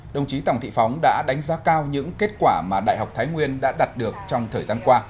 đồng chí tòng thị phóng đã đánh giá cao những kết quả mà đại học thái nguyên đã đạt được trong thời gian qua